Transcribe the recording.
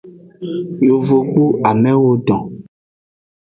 Yovogbu amewo don.